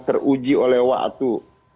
teruji oleh waktu